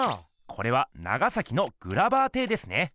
これは長崎のグラバー邸ですね。